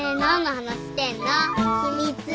秘密。